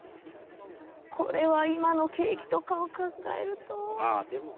これは今の景気とかを考えると。